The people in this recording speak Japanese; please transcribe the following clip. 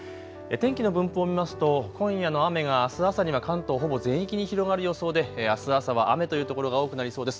天気の分布を見ますと今夜の雨があす朝には関東ほぼ全域に広がる予想であす朝は雨という所が多くなりそうです。